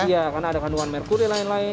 iya karena ada kandungan merkuri lain lain